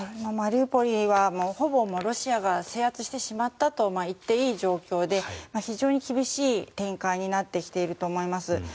マリウポリはほぼロシアが制圧してしまったと言っていい状況で非常に厳しい展開になってきていると思います。